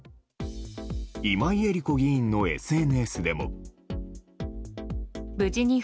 今井絵理子議員のＳＮＳでも。